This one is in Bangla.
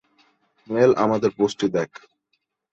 মেল, আমাদের পোস্টটা দেখ।